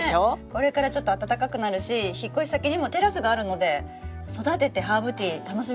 これからちょっと暖かくなるし引っ越し先にもテラスがあるので育ててハーブティー楽しめますね。